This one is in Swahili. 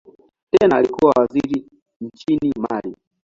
Tena alikuwa waziri nchini Mali.